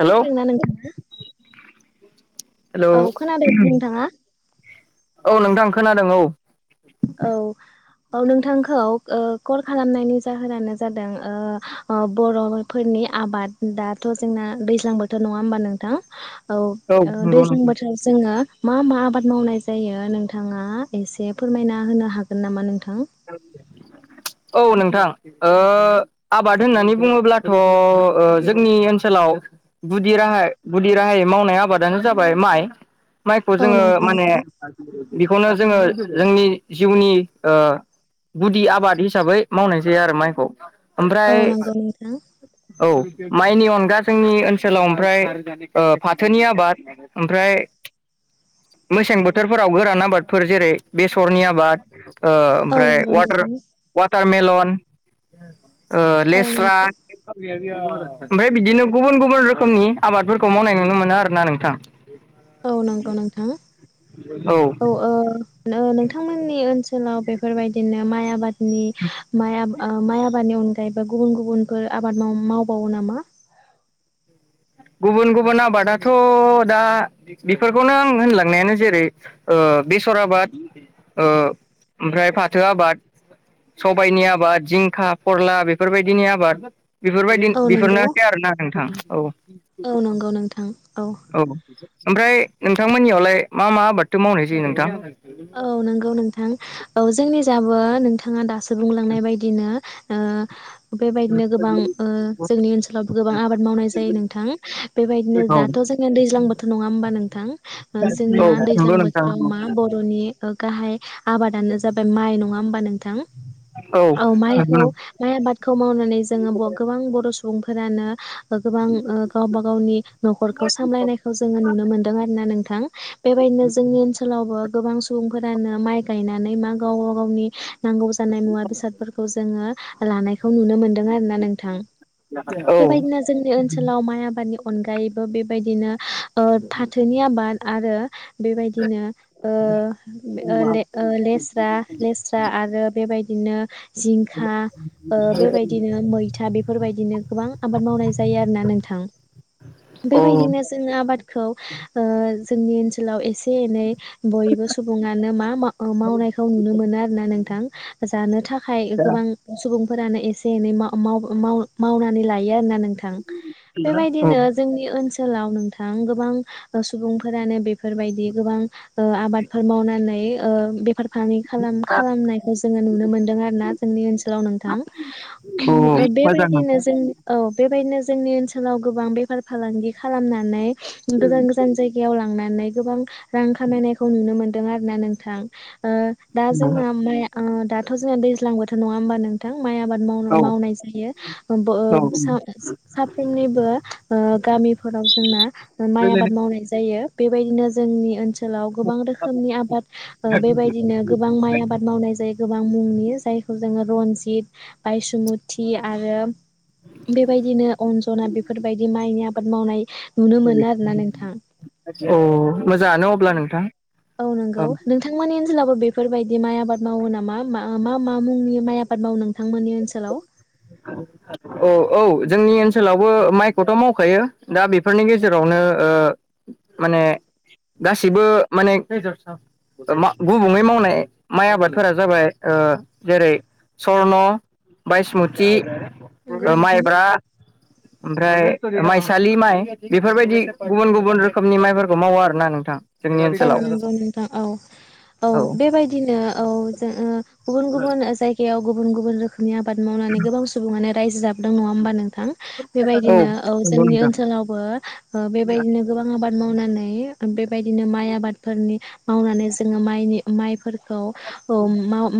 Hello खोनादोंना नोंथाङा hello औ खोनादोंना नोंथाङा औ नोंथां खोनादों औ। औ। औ नोंथांखौ ओ कल खालामनायनि जाहोनानो जादों ओ बर'फोरनि। आबाद दाथ' जोंना दैज्लां बोथोर नङा होमबा नोंथां। औ नंगौ दैज्लां नोंथां बोथोराव जोङो मा मा आबाद मावनाय जायो नोंथाङा एसे। फोरमायना होनो हागोन नामा नोंथां। [unintelligible] औ नोंथां आबाद ओ होननानै बुङोब्लाथ' जोंनि ओनसोलाव। गुदि राहाय गुदि राहायै मावनाय आबादानो जाबाय माइ। माइखौ औ जोङो नंगौ माने नोंथां बेखौनो जोङो जोंनि जिउनि ओ। गुदि आबाद हिसाबै मावनाय जाया आरो माइखौ। औ ओमफ्राय नंगौ नोंथां औ। माइनि अनगा जोंनि ओनसोलाव ओमफ्राय ओ फाथोनि आबाद ओमफ्राय। मेसें बोथोरफोराव गोरान आबादफोर जेरै बेसरनि आबाद। औ ओमफ्राय नंगौ नोंथां वाटारमेलन औ लेस्रा। नंगौ ओमफ्राय बिदिनो गुबुन गुबुन रोखोमनि आबादफोरखौ मावनाय नुनो मोनो आरोना नोंथां। औ नंगौ नोंथां औ औ नोंथांमोननि। ओनसोलाव बेफोरबायदिनो माइ आबादनि । माइ आबादनि अनगायैबो गुबुन गुबुनफोर आबाद मावबावो नामा। गुबुन गुबुन आबादाथ दा बेफोरखौनो आं होनलांनायानो जेरै। बेसर आबाद ओमफ्राय फाथो आबाद। सबायाइनि आबाद जिंखा फोरला बेफोरबायदिनि आबाद। बेफोरबायदि औ नंगौ बेफोरनोसै आरोना नोंथां औ औ नंगौ नोंथां औ। ओमफ्राय नोंथांमोननियावलाय मा मा आबाद मावनाय जायो नोंथां। औ नंगौ नोंथां औ जोंनि थिंजायबो नोंथाङा दासो बुंलांनाय बायदिनो। [inaudible] बेबायदिनो गोबां जोंनि ओनसोलाव गोबां आबाद मावनाय जायो नोंथां बेबायदिनो औ दाथ जों। जोंङो दैज्लां बोथोर नङा होमबा नोंथां जोंना औ दैज्लां नंगौ नोंथां औ बोथोराव मा नंगौ बर'। गाहाय आबादानो जाबाय माइ नङा होमबा नोंथां। औ माइखौ माइ आबादखौ मावनानै जोंङो गोबां बर'। सुबुंफोरानो। गोबां गावबा गावनि नखरखौ सामलायनायखौ जोंङो नुनो मोनदों आरो ना नोंथां। बेबायदिनो जोंनि ओनसोलावबो। गोबां सुबुंफोरानो माइ गायनानै मा गाव गावनि नांगौ जानाय मुवा बेसादफोरखौ जोंङो। लानायखौ नुनो मोनदों आरोना नोंथां औ बेबायदिनो जोंनि ओनसोलाव माइ आबाद। अनगायैबो बेबायदिनो ओ फाथोनि आबाद आरो बेबायदिनो। ओ [inaudible] लेस्रा लेस्रा आरो बेबायदिनो जिंखा। ओ बेबायदिनो मैथा बेफोरबायदिनो गोबां आबाद मावनाय जायो आरो ना नोंथां। बेबायदिनो जोंङो आबादखौ ओ जोंनि ओनसोलाव एसे एनै बयबो सुबुङानो मा मावनायखौ नुनो मोनो आरोना नोंथां जानो थाखाय गोबां सुबुंफोरानो एसे एनै माव माव मावनानै लायो आरोना नोंथां थां औ बेबायदिनो जोंनि ओनसोल ओनसोलाव नोंथां गोबां सुबुंफोरानो बेफोरबायदि गोबां ओ आबादफोर मावनानै ओ बेफार फालांगि खालाम खालामनायखौ जोंङो नुनो मोनदों आरो ना जोंनि ओनसोलाव नोंथां मोजां बेबायदिनो जों औ बेबायदिनो जोंनि ओनसोलाव गोबां बेफार फालांगि खालामनानै गोजान गोजान जायगायाव लांनानै लांनानै गोबां रां खामायनायखौ नुनो मोनदों आरो ना नोंथां ओ दा नोंथां जोंना माइ दाथ जोंना दैज्लां बोथोर नङा होमबा नोंथां माइ आबाद माव औ मावनाय जायो बो औ साफ्रोमनिबो गामि गामिफोराव जोंना माय आबाद मावनाय जायो बेबायदिनो जोंनि ओनसो ओनसोलाव गोबां रोखोमनि आबाद बेबायदिनो गोबां माइ आबाद मावनाय जायो गोबां मुंनि जायखौ जोंङो रनजित बायसमुति आरो बेबायदिनो अनजना बेफोरबायदि माइनि आबाद मावनाय नुनो मोनो आरोना औ मोजांआनो औ औ नंगौ नोंथां मोननि जेब्लाबो बेफोरबायदि माइ आबाद मावो नामा मा मा मुंनि माइ आबाद आबाद मावो नोंथांमोननि ओनसोलाव औ औ जोंनि ओनसोलावबो माइखौथ मावखायो दा बेफोरनि गेजेरावनो ओ माने गासिबो माने गुबैयै मावनाय माइ आबादफोरा जाबाय ओ जेरै सरन बायसमुति नंगौ नोंथां माइब्रा ओमफ्राय माइसालि माइ बेफोरबायदि गुबुन गुबुन रोखोमनि माइफोरखौ मावो आरोना नोंथां जोंनि औ ओनसोलाव नंगौ नोंथां औ औ बेबायदिनो औ जो ओ गुबुन गुबुन जायगायाव गुबुन गुबुन रोखोमनि आबाद मावनानै गोबां सुबङानो रायजो जाबो दों नङा हबा नोंथां बेबायदिनो औ नंगौ जोंनि नोंथां ओनसोलावबो बेबायदिनो गोबां आबाद मावनानै बेबायदिनो माइ आबादफोरनि मावनानै जोङो माइनि माइफोर रखौ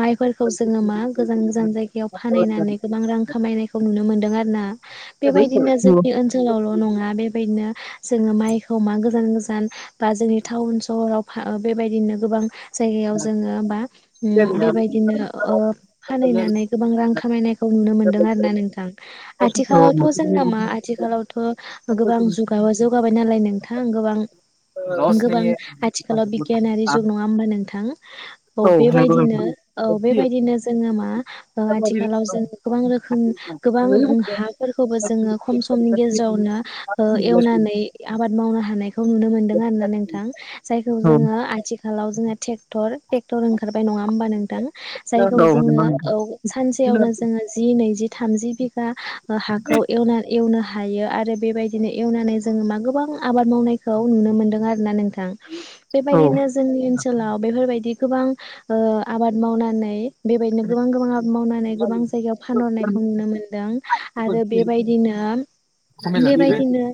माइफोरखौ जोङो मा गोजान गोजान जायगायाव फाननानै गोबां रां खामायनाय खौ नुनोमोनदों आरोना बेबायदिनो जोंनि ओनोलावल' नङा बेबायदिनो जोंङो माइ खौ मा गोजान गोजान बा जोंनि टाउन सहराव बेबायदिनो गोबां जायगायाव जोङो बा उम बेबायदिनो ओ फानहनानै गोबां रां खामायनायखौ नुनो मोनदों आरोना नोंथां आथिखालावथ' जोंना मा आथिखालावथ' गोबां जुगाव जौगाबाय नालाय नोंथां गोबां गोबां आथिखालाव बिगियानारि जुग नङा होमबा नोंथां औ बेबायदिनो औ बेबायदिनो जोङो मा ओ आथिखालाव जोङो गोबां रोखोम गोबां हाफोरखौबो जोङो खम समनि गेजेरावनो ओ एवनानै आबाद मावनो हानायखौ नुनो मोनदों आरोना नों नोंथां जायखौ औ जोङो आथिखालाव जोंङो टेक ट्रेक्टर ओंखारबाय नङा होमबा नों जायखौ नंगौ जोङो नोंथां औ सानसेयावनो जोङो जि नैजि थामजि बिघा हाखौ एवना एवनो हायो आरो बेबायदिनो एवनानै जोङो मा गोबां आबाद मावनायखौ नुनो मोन्दों आरो थां औ बेबायदिनो जोंनि ओनसोलाव बेफोरबायदि गोबां ओ आबाद मावनानै बेबायदिनो गोबां गोबां आबाद मावनानै गोबां जायगायाव फानहरनायखौ नुनो मोनदों आरो बेबायदिनो बेबायदिनो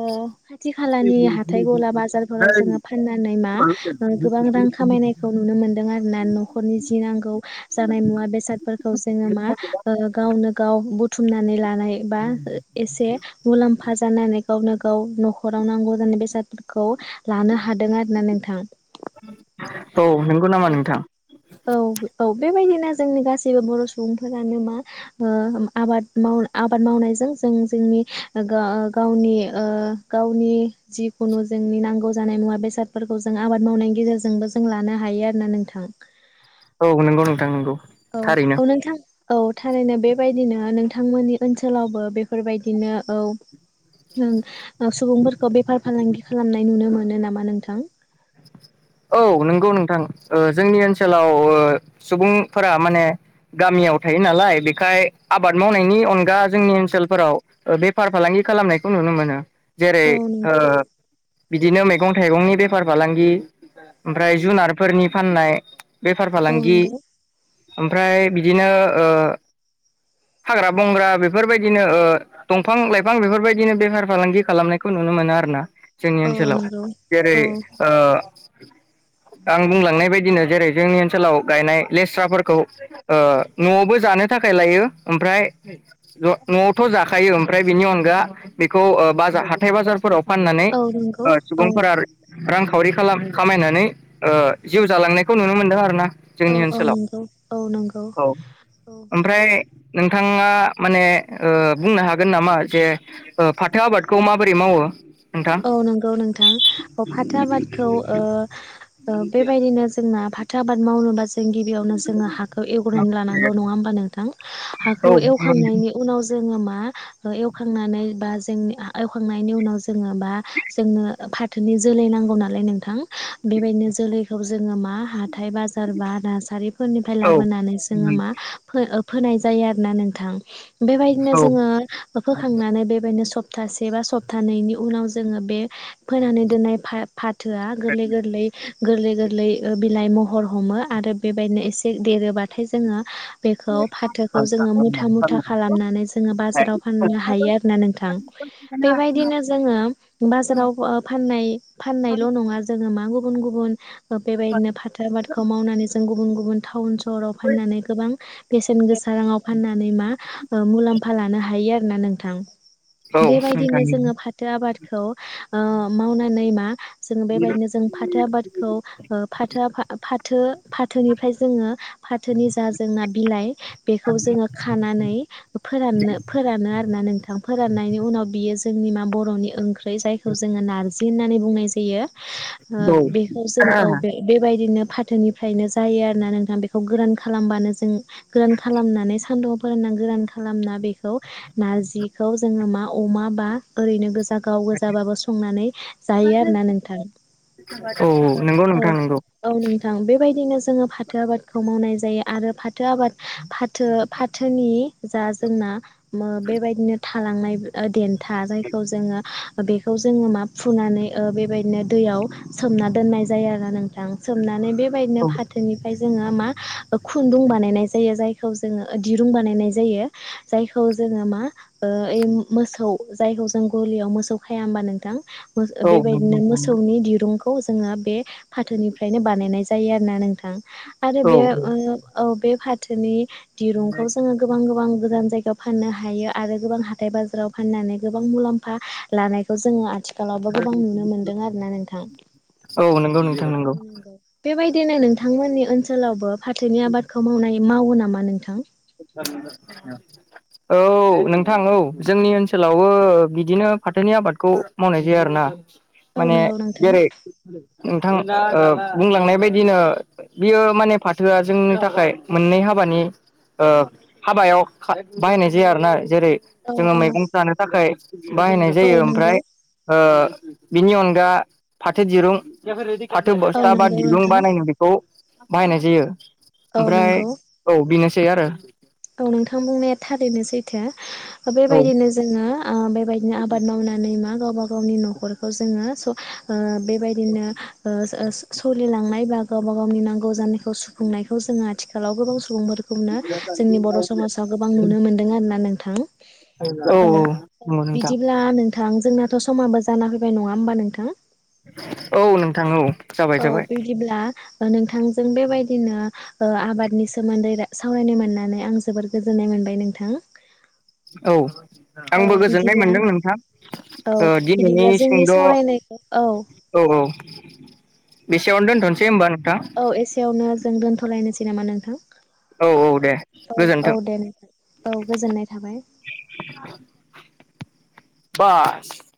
ओ खाथि खालानि हाथाय गला बाजार फोराव जोङो फाननानै मा गोबां रां खामायनायखौ नुनो मोनदों आरोना न'खरनि जि नांगौ जानाय मुवा बेसादफोरखौ जोंनो मा ओ गावनो गाव बुथुमनानै लानाय बा एसे मुलाम्फा जानानै गावनो गाव न'खराव नांगौ जानाय बेसादफोरखौ। लानो हादों आरो ना नोंथां। औ नंगौ नोंथां औ नंगौ नामा नोंथां औ-औ-औ। बेबायदिनो जोंनि गासैबो बर' सुबुंफोरानो मा ओ आबाद माव आबाद मावनायजों। जों जोंनि ओ गा-गावनि ओ गावनि जिखुनु जोंनि नांगौ जानाय मुवा बेसादफोरखौ जों आबाद मावनायनि गेजेरजोंबो जों लानो हायो आरोना नोंथां। औ नोंगौ नोंथां नोंगौ। औ-औ नोंथां। औ थारैनो बेबायदिनो नोंथांमोननि ओनसोलावबो बेफोरबायदिनो औ। होम ओ सुबुंफोरखौ बेफार फालांगि खालामनाय नुनो मोनो नामा नोंथां? औ नंगौ नोंथां ओ जोंनि ओनसोलाव ओ सुबुंफोरा माने गामि याव थायो नालाय बेखाय आबाद मावनायनि अनगा जोंनि ओनसोलफोराव बेफार फालांगि खालामनायखौ नुनो मोनो औ जेरै- ओ नंगौ बिदिनो मैगं-थाइगंनि बे फार फालांगि ओफ्राय जुनारफोरनि फाननाय बेफार औ फालांगि। नंगौ ओमफ्राय बिदिनो ओ [unintelligible] हाग्रा-बंग्रा बेफोरबायदिनो ओ दंफां-लाइफां बेफोरबायदिनो बेफार फालांगि खालामनायखौ नुनो मोनो आरोना। जोंनि औ ओनसोलाव नंगौ जेरै औ ओ आं बुंलांनाय बायदिनो जेरै- जोंनि ओनसोलाव गायनाय। लेस्राफोरखौ ओ न'आवबो जानो थाखाय लायो ओमफ्राय ज न'आवथ' जाखायो ओमफ्राय बिनि अनगा। बेखौ ओ बाजार हाथथाय बाजारफोराव फाननानै औ नंगौ ओ औ सुबुंफोरा रांखावरि खालाम-खामायनानै ओ जिउ जालांनायखौ नुनो मोनदों आरोना। औ जोंनि औ ओनसोलाव नंगौ औ नंगौ औ औ ओमफ्राय नोंथाङा माने ओ बुंना हागोन नामा जे ओ फाथो आबादखौ माबोरै मावो? नोंथां? औ नंगौ नोंथां अप फाथो आबादखौ ओ-ओ बेबायदिनो जोंना फाथो आबाद मावनोबा जों जों गिबियावनो जोङो हाखौ एगरनानै लानांगौ नङा होमबा नोंथां? औ हाखौ एवखांनायनि उनाव जोङो मा आ ओ एवखांनानै बा जोंनि आ एखांनायनि उनाव जोङो बा जोङो ओ फाथोनि जोलै नांगौ नालाय नोंथां बेबायनो जोलैखौ जोङो मा हाथाइ बाजार बा नार्सारिफोरनिफ्राय लाबोनानै जोङो मा फो ओ फोनाय जायो आरोना नोंथां बेबायदिनो जोङो ओ फोखांनानै बेबायनो सब प्तासे बा सप्तानैैनि उनाव जोङो बे फोनानै दोननाय फा फाथोआ गोरलै-गोरलै। गोरलै-गोगलै ओ बिलाइ महर हमो आरो बेबायनो एसे देरोबाथाय जोङो बेखौ फाथोखौ जोङो मुथा-मुथा खालामनानै जोङो बाजाराव फाननो हायो आरोना नोंथां। बेबायदिनो जोङो बाजाराव ओ फाननाय फाननायल' नङा जोङो मा गुबुन-गुबुन। ओ बेबायदिनो फाथो आबादखौ मावनानै जों गुबुन-गुबुन टाउन सहराव फाननानै गोबां बेसेन गोस साराङाव फाननानै मा ओ मुलाम्फा लानो हायो आरो ना नोंथां। बेबायदिनो नोंथां जोङो फाथो आबाद ओ मावनानै मा जोङो बेबायनो जों फाथो आबादखौ ओ फाथो आफा फाथो-फाथोनिफ्राय जोङो फाथोनि जा जोंना बिलाइ बेखौ जोङो खानानै फोराननो फोरानो आरो ना। नोंथां फोराननायनि उनाव बियो जोंनि मा बर'नि ओंख्रै जायखौ जोङो नारजि होननानै बुंनाय जायो। ओ बेखौ जोङो औ बे-बेबायदनो। फाथोनिफ्रायनो जायो आरोना नोंथां बेखौ गोरान खालामबानो जों गोरान खालामनानै सानदुं फोरानना गोरान खालामना बेखौ नारजिखौ जोङो मा अमा बा ओरैनो गोजा गाव गोजाबाबो संनानै जायो आरोना नोंथां औ नंगौ । नोंथां नंगौ औ-औ नोंथां बेबायदिनो जोङो फाथो आबादखौ मावनाय जायो आरो फाथ थो आबाद फाथो फाथोनि जा जोंना मो बेबायदिनो थालांनाय ओ देन था जायखौ जोङो बेखौ जोङो मा फुनानै ओ बेबायनो दैयाव सोमना दोननाय जायो आरो नों थां सोमनानै औ बेबायनो फाथोनिफ्राय जोङो मा खुन्दुं बानायनाय जायो जाय खौ जोङो ओ दिरुं बानायनाय जायो जायखौ जोङो मा ओ एम मोसौ जाय खौ जों गलियाव मोसौ खाया होमबा नोंथां मोस ओ औ नंगौ बेबायदिनो नोंथां मोसौनि दिरुंखौ जोङो बे फाथोनिफ्रायनो बानायनाय जायो आरोना नोंथां आरो औ बे ओ औ बे फाथोनि दिरुंखौ जोङो गोबां-गोबां गोजान जायगायाव फाननो हा हायो आरो गोबां हाथाय बाजाराव फाननानै गोबां मुलाम्फा लानायखौ जोङो आथिखाल -खालाव गोबां नुनो मोनदों आरो ना नोंथां औ नंगौ । बेबायदिनो नोंथांमोननि ओनसोलावबो फाथोनि आबादखौ मावनाय मावो नामा नोंथां? [unintelligible] औ नोंथां औ जोंनि ओनसोलावो बिदिनो फाथोनि आबादखौ मावनाय जाया आरोना औ माने नंगौ नोंथां जेरै नोंथां [unintelligible] ओ बुंलांनाय बायदिनो बियो माने फाथोआ जोंनि थाखाय मोननै हाबानि ओ हाबायाव खा बायनाय जाया आरो ना । जेरै औ जोङो औ मैगं जानो थाखाय बाहायनाय औ जायो नंगौ ओमफ्राय ओ बिनि अनगा फाथो दिरुं फाथो औ बस्था बा नंगौ दिरुं नोंथां बा नायनो बेखौ बाहायनाय जायो औ ओमफ्राय नंगौ औ बेनोसै आरो । औ नोंथां बुंनाया थारैनो सैथो औ बेबायदिनो जोङो आ बे ना आबाद मावनानै मा गावबा गावनि न' खरौ जोङो स ओ बे बायदिनो ओस ओस सोलिलांनाय बा गावबा गावनि नांगौ जानायखौ सुफुंनायखौ जोङो आथिखालाव गोबाव सु सुबुंफोरखौनो जोंनि बर' समाजाव गोबां नुनो मोन्दों आरो ना नोंथां। औ बिदिब्ला नोंथां जोंनाथ' समाबो जाना फैबाय नङा होमबा नोंथां? औ नोंथां औ। जाबाय औ जाबाय बिदिब्ला ओ नोंथांजों बेबायदिनो ओ आबादनि सोमोन्दै सावरायनो मोननानै आं जोबोद गोजोननाय मोन मोनबाय नोंथां। औ। औ आंबो गोजोननाय बिदिब्ला मोनदों नोंथां औ ओ‌ दिनैनि बिदिब्ला जोंनि सुंद' औ सावरायनायखौ औ औ। बेसेयावनो दोनथ'नोसै होमबा नोंथां औ एसेयावनो जों दोनथ'लायनोसै नामा नोंथां? औ औ दे औ औ गोजोन्थों दे नोंथां औ गोजोननाय थाबाय। बास